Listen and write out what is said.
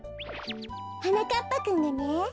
はなかっぱくんがね。